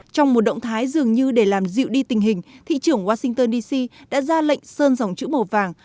trong một động thái dường như để làm dịu đi tình hình thị trưởng washington dc đã ra lệnh sơn dòng chữ màu vàng